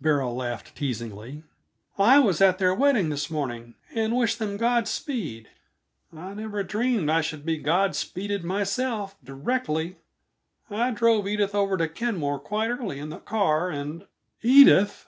Beryl laughed teasingly. "I was at their wedding this morning, and wished them God speed. I never dreamed I should be God speeded myself, directly! I drove Edith, over to Kenmore quite early in the car, and " "Edith!"